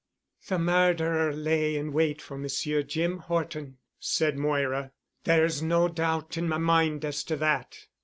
"The murderer lay in wait for Monsieur Jim Horton," said Moira. "There is no doubt in my mind as to that.